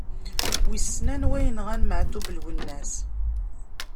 Wissen anwa yenɣan Maɛtub Lwennas?